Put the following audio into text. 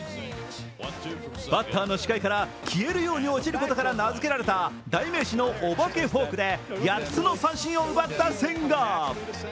バッターの視界から消えるように落ちることから名付けられた代名詞のお化けフォークで８つの三振を奪った千賀。